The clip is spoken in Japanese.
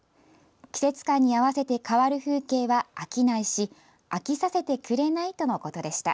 季節感に合わせて変わる風景は飽きないし飽きさせてくれないとのことでした。